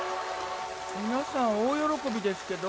皆さん大喜びですけど。